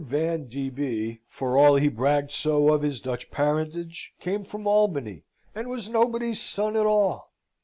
Van d. B., for all he bragged so of his Dutch parentage, came from Albany, and was nobody's son at all.